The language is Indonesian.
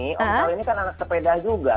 om sal ini kan anak sepeda juga